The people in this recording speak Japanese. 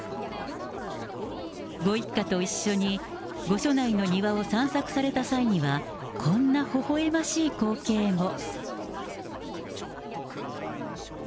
ご一家と一緒に御所内の庭を散策された際には、こんなほほえましい光景も。